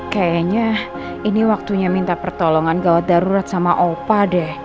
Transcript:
kayaknya ini waktunya minta pertolongan gawat darurat sama owa